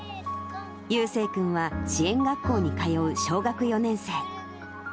悠青君は、支援学校に通う小学４年生。